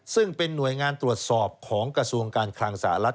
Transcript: ซึ่งเป็นหน่วยงานตรวจสอบของกระทรวงการคลังสหรัฐ